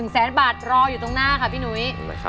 แสนบาทรออยู่ตรงหน้าค่ะพี่หนุ้ย